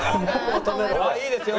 「いいですよ。